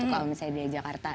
kalau misalnya di jakarta